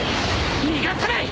逃がさない！